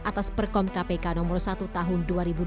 atas perkom kpk nomor satu tahun dua ribu dua puluh